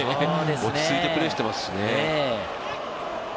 落ち着いてプレーをしていますしね。